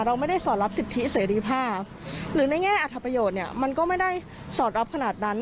เราไม่ได้สอดรับสิทธิเสรีภาพหรือในแง่อัธประโยชน์เนี่ยมันก็ไม่ได้สอดรับขนาดนั้น